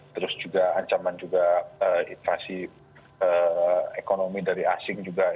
terus juga ancaman juga invasi ekonomi dari asing juga itu ada